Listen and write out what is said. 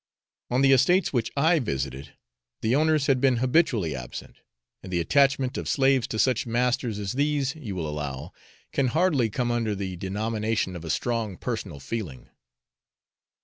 On the estates which I visited, the owners had been habitually absent, and the 'attachment' of slaves to such masters as these, you will allow, can hardly come under the denomination of a strong personal feeling.